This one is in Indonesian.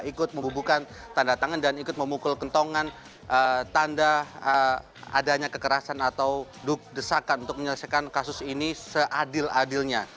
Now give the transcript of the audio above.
dan ikut membubuhkan tanda tangan dan ikut memukul kentongan tanda adanya kekerasan atau desakan untuk menyelesaikan kasus ini seadil adilnya